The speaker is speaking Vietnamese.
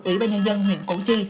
ủy ban nhân dân huyện cổ chi